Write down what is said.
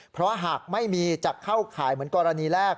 เพราะหากไม่มีจะเข้าข่ายเหมือนกรณีแรก